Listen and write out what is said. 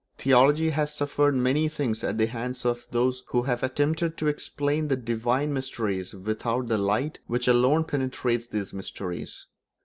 Theology has suffered many things at the hands of those who have attempted to explain the divine mysteries without the light which alone penetrates these mysteries.